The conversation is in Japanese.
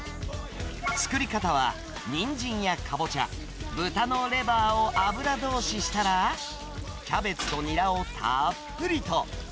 作り方は、ニンジンやカボチャ、豚のレバーを油通ししたら、キャベツとニラをたっぷりと。